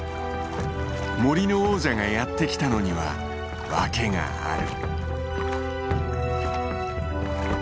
森の王者がやってきたのには訳がある。